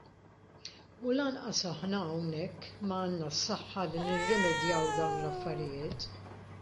U lanqas aħna hawnhekk m'għandna s-saħħa li nirrimedjaw dawn l-affarijiet.